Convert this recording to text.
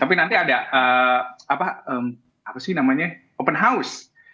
tapi nanti ada apa sih namanya open house